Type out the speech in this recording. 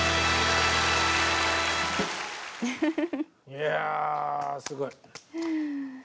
いやすごい。